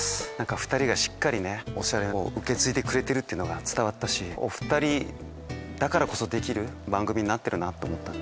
２人がしっかり『おしゃれ』を受け継いでるのが伝わったしお２人だからこそできる番組になってると思ったんで。